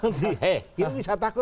ini bisa takut